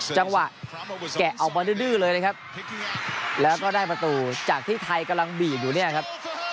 จังหวะแกะออกมาดื้อเลยนะครับแล้วก็ได้ประตูจากที่ไทยกำลังบีบอยู่เนี่ยครับ